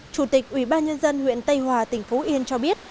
chủ tịch ủy ban nhân dân huyện tây hòa tỉnh phú yên cho biết